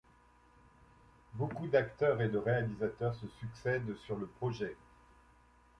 Beaucoup d'acteurs et de réalisateurs se succèdent sur le projet.